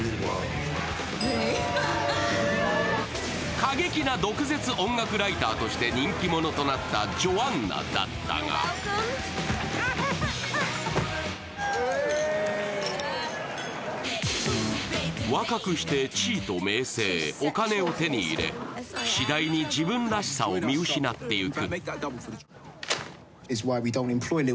過激な毒舌音楽ライターとして人気者となったジョアンナだったが若くして地位と名声、お金を手に入れ、次第に自分らしさを見失っていく。